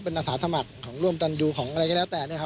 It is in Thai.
เป็นอาสาสมัติของร่วมจันทร์ดูของอะไรก็แล้วแต่